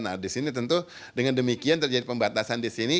nah disini tentu dengan demikian terjadi pembatasan disini